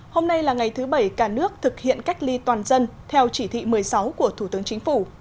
hôm nay là ngày thứ bảy cả nước thực hiện cách ly toàn dân theo chỉ thị một mươi sáu của thủ tướng chính phủ